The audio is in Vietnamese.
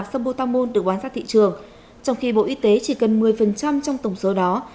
sambotamol được bán ra thị trường trong khi bộ y tế chỉ cần một mươi trong tổng số đó